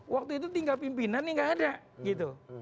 waktu itu tinggal pimpinan ini nggak ada gitu